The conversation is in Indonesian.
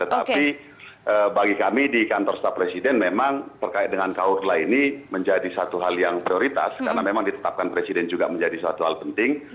tetapi bagi kami di kantor staf presiden memang terkait dengan kaurlah ini menjadi satu hal yang prioritas karena memang ditetapkan presiden juga menjadi suatu hal penting